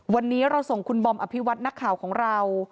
วันนี้เราส่งคุณบอมอภิวัตินักข่าวของเรา